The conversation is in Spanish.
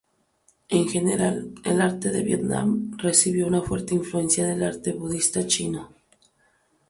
En general, el arte de Vietnam recibió una fuerte influencia del arte budista chino.